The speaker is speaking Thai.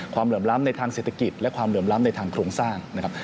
เหลื่อมล้ำในทางเศรษฐกิจและความเหลื่อมล้ำในทางโครงสร้างนะครับ